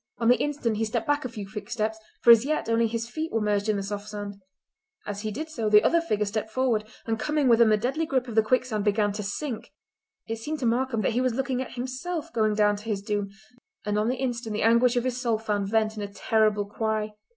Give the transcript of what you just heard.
On the instant he stepped back a few quick steps, for as yet only his feet were merged in the soft sand. As he did so the other figure stepped forward, and coming within the deadly grip of the quicksand began to sink. It seemed to Markam that he was looking at himself going down to his doom, and on the instant the anguish of his soul found vent in a terrible cry.